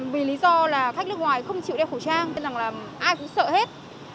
vì lý do là khách nước ngoài không chịu đeo khẩu trang nên rằng là ai cũng sợ hết